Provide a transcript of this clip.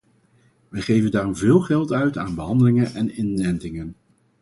We geven daarom veel geld uit aan behandelingen en inentingen.